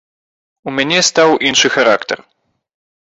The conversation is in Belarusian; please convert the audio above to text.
У мяне стаў іншы характар.